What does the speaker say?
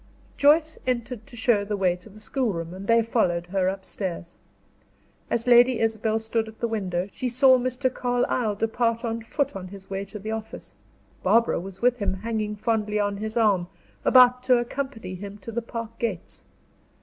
Joyce entered to show the way to the schoolroom, and they followed her upstairs. As Lady Isabel stood at the window, she saw Mr. Carlyle depart on foot on his way to the office. Barbara was with him, hanging fondly on his arm, about to accompany him to the park gates.